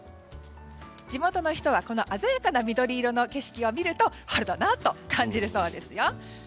地元の人は、この鮮やかな緑色の景色を見ると春だなと感じるそうですよ。